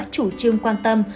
chủ trương quan tâm